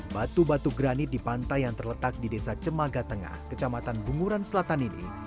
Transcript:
batu batu granit di pantai yang terletak di desa cemaga tengah kecamatan bunguran selatan ini